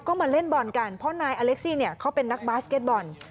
ก็มาเล่นบอลกันเพราะนายอเล็กซี่เนี่ยเขาเป็นนักบาสเก็ตบอล